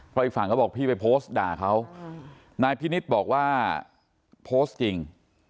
เพราะอีกฝั่งเขาบอกพี่ไปโพสต์ด่าเขานายพินิษฐ์บอกว่าโพสต์จริง